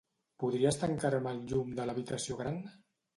Podries tancar-me el llum de l'habitació gran?